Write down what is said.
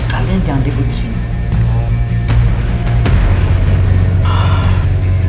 kalian jangan dibutuhin